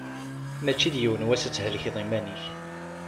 Mačči d yiwen wass ad thelkeḍ iman-ik.